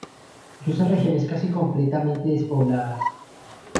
Cruza regiones casi completamente despobladas.